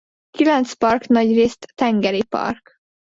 Kilenc park nagyrészt tengeri park.